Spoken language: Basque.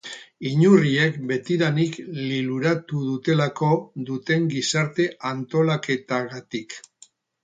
Inurriek betidanik liluratu dutelako duten gizarte antolaketagatik.